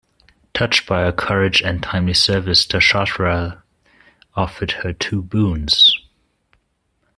Touched by her courage and timely service, Dasharatha offered her two boons.